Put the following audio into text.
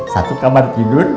satu kamar tidur